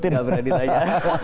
tidak pernah ditanya